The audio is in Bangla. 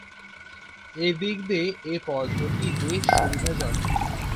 এ দিক দিয়ে এ পদ্ধতিটি বেশ সুবিধাজনক।